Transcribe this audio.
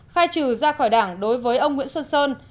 khai trừ ra khỏi đảng đối với ông nguyễn xuân sơn